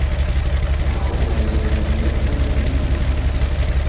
Naoma irangi nekunda ninyo machi